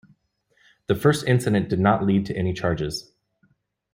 The first incident did not lead to any charges.